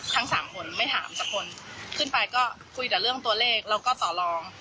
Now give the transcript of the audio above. ทั้งสามคนไม่ถามสักคนขึ้นไปก็คุยแต่เรื่องตัวเลขแล้วก็ต่อรอง